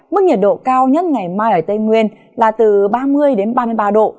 mức nhiệt độ cao nhất ngày mai ở tây nguyên là từ ba mươi đến ba mươi ba độ